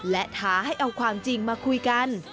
และท้าให้เอาความจริงมาคุยกัน